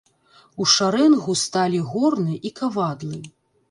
У шарэнгу сталі горны і кавадлы.